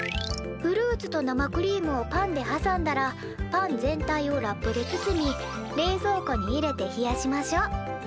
フルーツと生クリームをパンではさんだらパン全体をラップで包み冷蔵庫に入れて冷やしましょう。